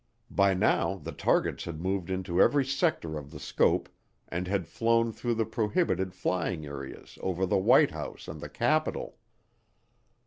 By now the targets had moved into every sector of the scope and had flown through the prohibited flying areas over the White House and the Capitol.